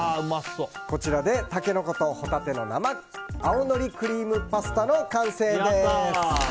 こちらでタケノコとホタテの青のりクリームパスタ完成です！